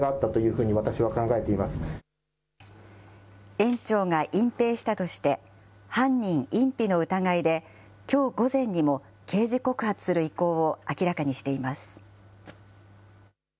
園長が隠蔽したとして、犯人隠避の疑いで、きょう午前にも、刑事告発する意向を明らかにしています。